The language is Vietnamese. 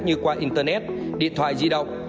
như qua internet điện thoại di động